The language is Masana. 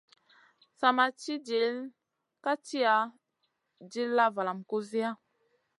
Sa ma ci dill ka tiya, dilla valam kusiya.